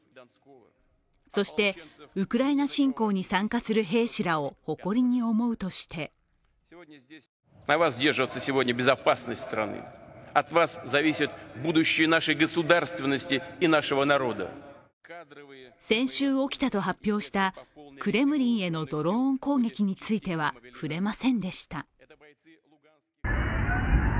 そしてウクライナ侵攻に参加する兵士らを誇りに思うとして先週起きたと発表したクレムリンへのドローン攻撃については触れませんでした。